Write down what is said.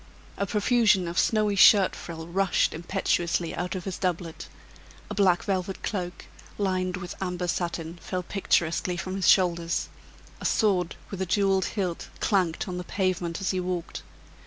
A profusion of snowy shirt frill rushed impetuously out of his doublet; a black velvet cloak, lined with amber satin, fell picturesquely from his shoulders; a sword with a jeweled hilt clanked on the pavement as he walked.